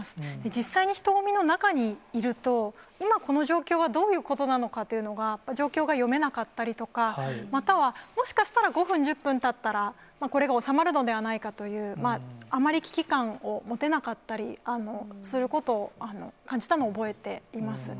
実際に人混みの中にいると、今この状況はどういうことなのかというのが、状況が読めなかったりとか、または、もしかしたら、５分、１０分たったら、これが収まるのではないかという、あまり危機感を持てなかったりすること、感じたのを覚えています。